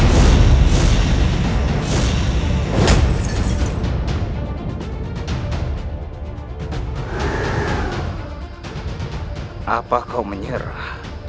siapa yang menyerah